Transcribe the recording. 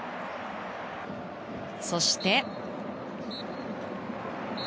そして。